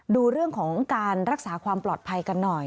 ดูเรื่องของการรักษาความปลอดภัยกันหน่อย